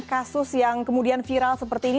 kasus yang kemudian viral seperti ini